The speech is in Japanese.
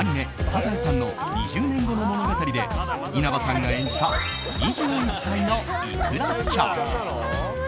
「サザエさん」の２０年後の物語で稲葉さんが演じた２１歳のイクラちゃん。